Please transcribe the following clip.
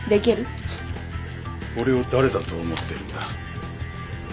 フッ俺を誰だと思ってるんだ。